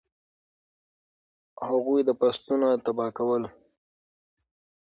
هغوی فصلونه تباه کول.